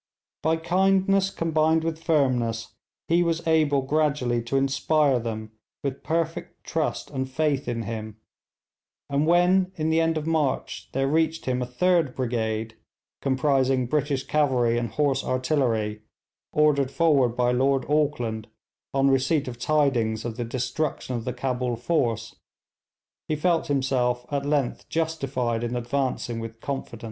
By kindness combined with firmness he was able gradually to inspire them with perfect trust and faith in him, and when in the end of March there reached him a third brigade, comprising British cavalry and horse artillery, ordered forward by Lord Auckland on receipt of tidings of the destruction of the Cabul force, he felt himself at length justified in advancing with confidence.